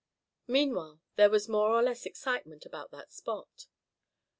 Meanwhile there was more or less excitement around that spot.